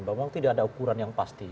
memang tidak ada ukuran yang pasti